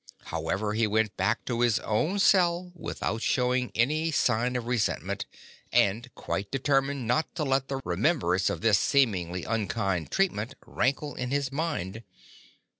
However, he went back to his own cell without showing any sign of resentment, and quite de termined not to let the remembrance of this seemingly un kind treatment rankle in his mind.